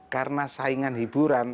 karena saingan hiburan